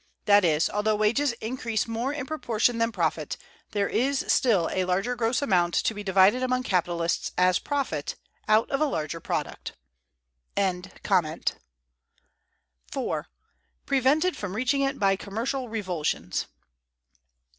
That is, although wages increase more in proportion than profit, there is still a larger gross amount to be divided among capitalists as profit, out of a larger product. § 4. —prevented from reaching it by commercial revulsions.